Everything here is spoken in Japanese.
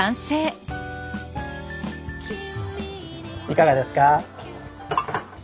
いかがですか？